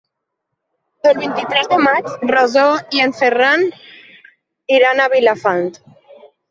El vint-i-tres de maig na Rosó i en Ferran iran a Vilafant.